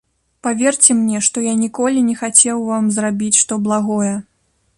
Паверце мне, што я ніколі не хацеў вам зрабіць што благое.